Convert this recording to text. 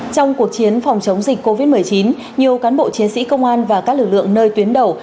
trong cuộc chiến phòng chống dịch covid một mươi chín nhiều cán bộ chiến sĩ công an và các lực lượng nơi tuyến đầu